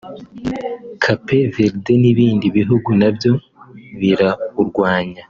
Cape Verde n’ibindi bihugu nabyo birawurwanya